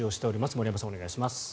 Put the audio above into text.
森山さん、お願いします。